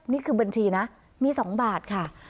นี่คือบัญชีนะมี๒บาทค่ะ